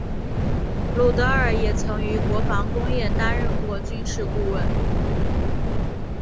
鲁德尔也曾于国防工业担任过军事顾问。